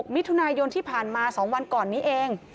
มิถุนายนที่ผ่านมา๒วันก่อนนี้เอง